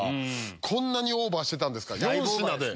こんなにオーバーしてたんですか４品で。